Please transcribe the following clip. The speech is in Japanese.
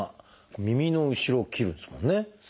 耳の後ろを切るんですもんね。